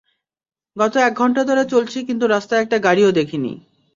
গত এক ঘন্টা ধরে চলছি কিন্তু রাস্তায় একটা গাড়িও দেখিনি।